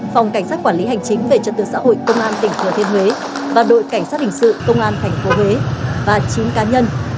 phòng cảnh sát quản lý hành chính về trật tự xã hội công an tỉnh thừa thiên huế và đội cảnh sát hình sự công an tp huế và chín cá nhân